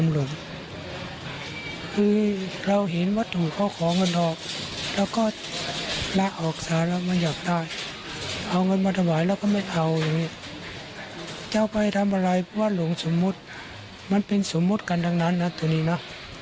หลงสมมติมันเป็นสมมติกันทั้งนั้นนะตัวนี้นะ